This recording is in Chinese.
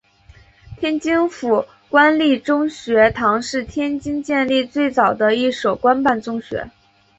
天津府官立中学堂是天津建立最早的一所官办中学。